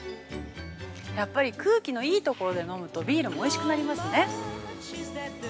やっぱり空気のいい所で飲むとビールもおいしくなりますね。